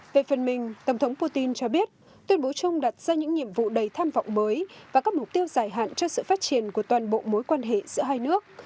về phần mình tổng thống putin cho biết tuyên bố chung đặt ra những nhiệm vụ đầy tham vọng mới và các mục tiêu dài hạn cho sự phát triển của toàn bộ mối quan hệ giữa hai nước